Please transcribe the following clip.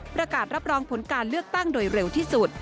ประกาศรับรองผลการเลือกตั้งโดยเร็วที่สุด